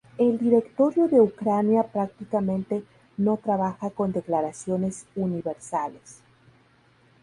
El Directorio de Ucrania prácticamente no trabaja con Declaraciones Universales.